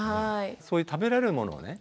そういう食べれるものをね